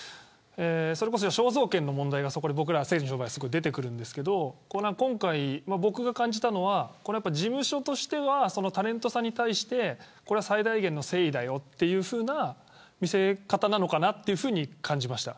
肖像権の問題が選手の場合は出てくるんですけど今回、僕が感じたのは事務所としてはタレントさんに対して最大限の誠意だよというような見せ方なのかなというふうに感じました。